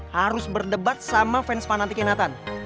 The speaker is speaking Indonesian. harus berdebat sama fans fanatiknya nathan